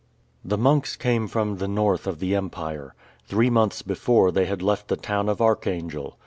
The monks came from the North of the Empire. Three months before they had left the town of Archangel.